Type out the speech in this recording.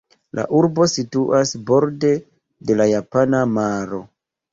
La urbo situas borde de la Japana maro.